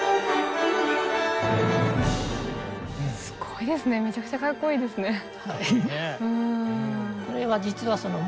すごいですね！